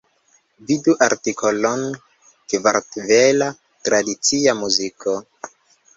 Vidu artikolon Kartvela tradicia muziko.